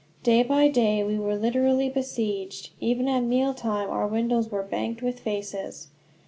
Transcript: Day by day we were literally besieged. Even at meal time our windows were banked with faces.